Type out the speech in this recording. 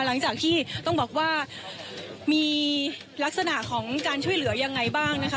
หลังจากที่ต้องบอกว่ามีลักษณะของการช่วยเหลือยังไงบ้างนะคะ